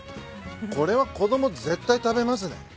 これは子供絶対食べますね。